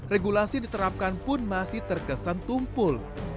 regulasi diterapkan pun masih terkesan tumpul